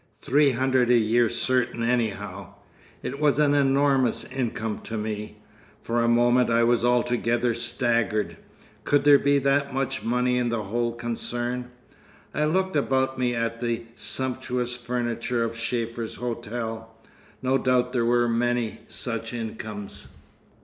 Three hundred a year certain, anyhow! It was an enormous income to me. For a moment I was altogether staggered. Could there be that much money in the whole concern? I looked about me at the sumptuous furniture of Schäfer's Hotel. No doubt there were many such incomes.